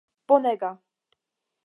bonega